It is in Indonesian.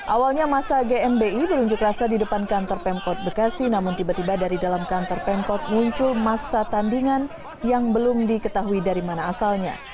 awalnya masa gmi berunjuk rasa di depan kantor pemkot bekasi namun tiba tiba dari dalam kantor pemkot muncul masa tandingan yang belum diketahui dari mana asalnya